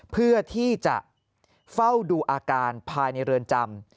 เพื่อที่จะเฝ้าดูอาการภายในเรือนจำ